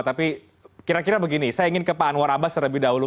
tapi kira kira begini saya ingin ke pak anwar abbas terlebih dahulu